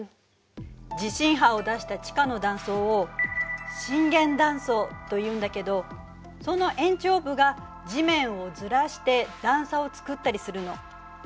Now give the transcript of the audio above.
地震波を出した地下の断層を「震源断層」というんだけどその延長部が地面をずらして段差をつくったりするの。